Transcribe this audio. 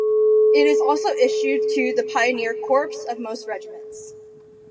It is also issued to the pioneer corps of most regiments.